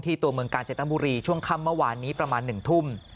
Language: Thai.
ตัวเมืองกาญจนบุรีช่วงค่ำเมื่อวานนี้ประมาณ๑ทุ่ม